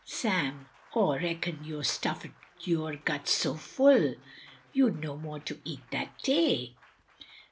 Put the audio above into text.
Sam Aw reckon yo stuff'd yore guts so full, you'd no more to eat that day.